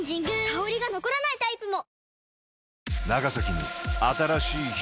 香りが残らないタイプも！